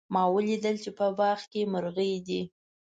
ما ولیدل چې په باغ کې مرغۍ دي